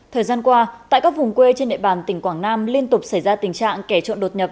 thời gian qua tại các vùng quê trên địa bàn tỉnh quảng nam liên tục xảy ra tình trạng kẻ trộm đột nhập